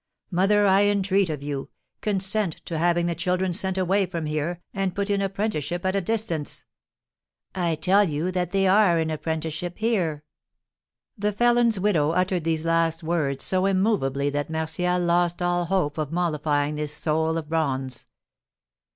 "Mother, I entreat of you, consent to having the children sent away from here, and put in apprenticeship at a distance." "I tell you that they are in apprenticeship here!" The felon's widow uttered these last words so immovably that Martial lost all hope of mollifying this soul of bronze.